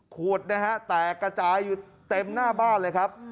ขวดนะฮะแตกกระจายอยู่เต็มหน้าบ้านเลยครับ